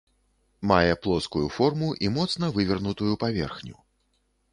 Мае плоскую форму і моцна вывернутую паверхню.